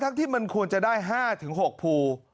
ที่มันควรจะได้๕๖ภู